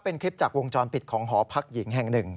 เป็นคลิปจากวงจรปิดของหอพักหญิงแห่งหนึ่ง